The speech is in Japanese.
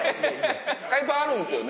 海パンあるんですよね？